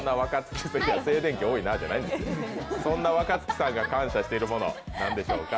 そんな若槻さんが感謝しているもの何でしょうか？